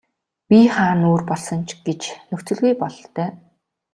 Бие хаа нь өөр болсон ч гэж нөхцөлгүй бололтой.